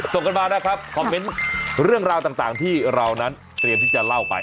ส่งกันมานะครับคอมเมนต์เรื่องราวต่างที่เรานั้นเตรียมที่จะเล่าไป